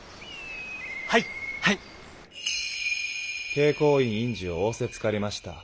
慶光院院主を仰せつかりました。